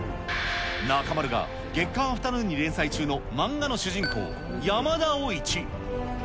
中丸が月刊アフタヌーンに連載中の漫画の主人公、山田おいち。